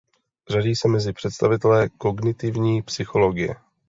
Řadí se mezi představitele kognitivní psychologie.